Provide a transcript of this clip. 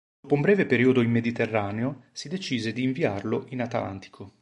Dopo un breve periodo in Mediterraneo si decise di inviarlo in Atlantico.